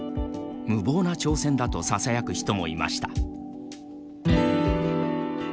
無謀な挑戦だとささやく人もいました。